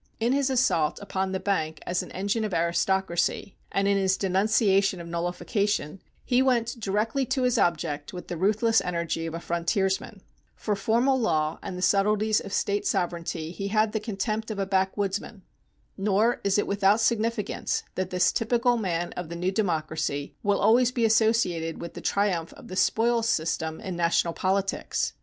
In his assault upon the Bank as an engine of aristocracy, and in his denunciation of nullification, he went directly to his object with the ruthless energy of a frontiersman. For formal law and the subtleties of State sovereignty he had the contempt of a backwoodsman. Nor is it without significance that this typical man of the new democracy will always be associated with the triumph of the spoils system in national politics.